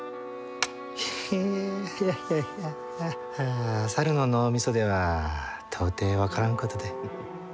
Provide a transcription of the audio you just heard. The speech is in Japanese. ヘヘッいやいや猿の脳みそでは到底分からんことで。